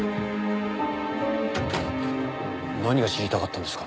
何が知りたかったんですかね？